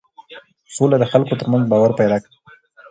سوله د خلکو ترمنځ باور پیدا کوي